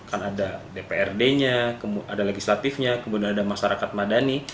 kan ada dprd nya ada legislatifnya kemudian ada masyarakat madani